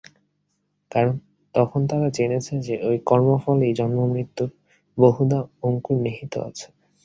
কারণ, তখন তারা জেনেছে যে, ঐ কর্মফলেই জন্মমৃত্যুর বহুধা অঙ্কুর নিহিত আছে।